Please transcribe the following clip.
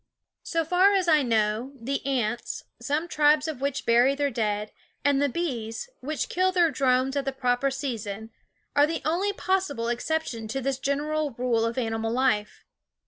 So far as I know, the ants, some tribes of which bury their dead, and the bees, which kill their drones at the proper season, are the only possible exception to this general rule of animal life.